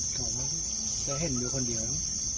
จะเห็นยังรู้คนเดียว